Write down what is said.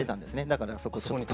だからそこに。